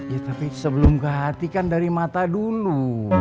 ya tapi sebelum ke hati kan dari mata dulu